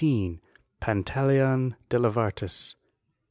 Pantaleon delarvatus.